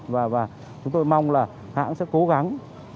và chúng tôi mong là hãng sẽ cố gắng